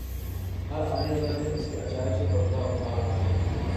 ہر آنے والا دن اس کے عجائب سے پردہ اٹھا رہا ہے۔